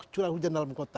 curah hujan dalam kota